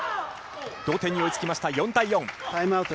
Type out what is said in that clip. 同点に追いつきました、４対４。